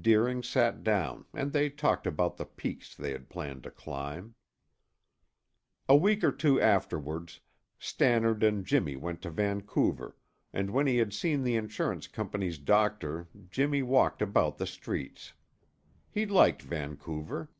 Deering sat down and they talked about the peaks they had planned to climb. A week or two afterwards, Stannard and Jimmy went to Vancouver, and when he had seen the insurance company's doctor Jimmy walked about the streets. He liked Vancouver.